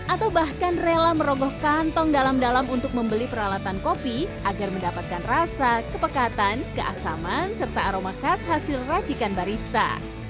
atau bahkan rela merogoh kantong dalam dalam untuk membeli peralatan kopi agar mendapatkan rasa kepekatan keasaman serta aroma khas hasil racikan barista